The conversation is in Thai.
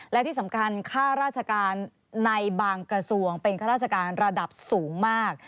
และที่สำคัญค่าราชการในบางกระทรวงเป็นข้าราชการระดับสูงมาก